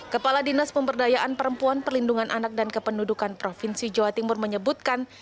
kepala dinas pemberdayaan perempuan perlindungan anak dan kependudukan provinsi jawa timur menyebutkan